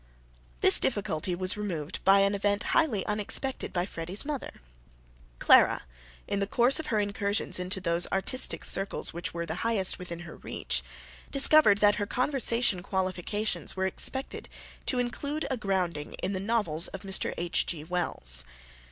This difficulty was removed by an event highly unexpected by Freddy's mother. Clara, in the course of her incursions into those artistic circles which were the highest within her reach, discovered that her conversational qualifications were expected to include a grounding in the novels of Mr. H.G. Wells.